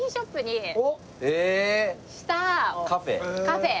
カフェ？